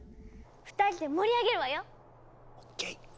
２人で盛り上げるわよ！ＯＫ！